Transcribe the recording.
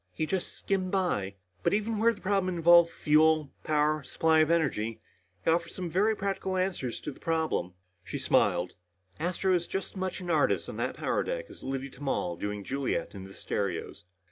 "He just skimmed by. But even where the problem involved fuel, power, supply of energy, he offered some very practical answer to the problem." She smiled. "Astro is as much an artist on that power deck as Liddy Tamal doing Juliet in the stereos."